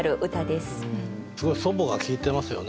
すごい「祖母」が効いてますよね。